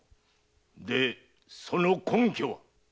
でその根拠は？